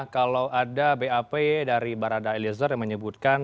kalau ada bap dari barat dae yang menyebutkan